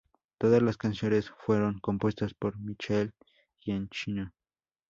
Todas las canciones fueron compuestas por Michael Giacchino.